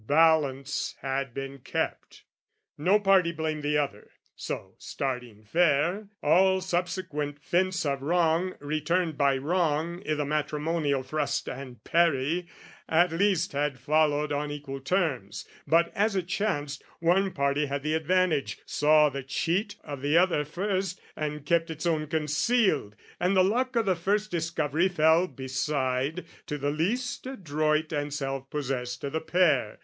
balance had been kept, No party blamed the other, so, starting fair, All subsequent fence of wrong returned by wrong I' the matrimonial thrust and parry, at least Had followed on equal terms. But, as it chanced, One party had the advantage, saw the cheat Of the other first and kept its own concealed: And the luck o' the first discovery fell, beside, To the least adroit and self possessed o' the pair.